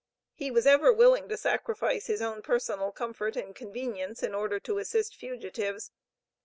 He was ever willing to sacrifice his own personal comfort and convenience, in order to assist fugitives.